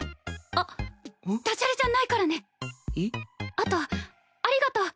あとありがとう。